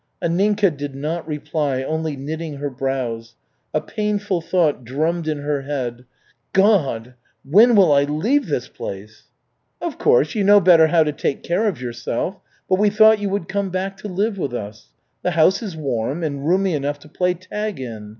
Anninka did not reply, only knitting her brows. A painful thought drummed in her head, "God, when will I leave this place?" "Of course, you know better how to take care of yourself. But we thought you would come back to live with us. The house is warm, and roomy enough to play tag in.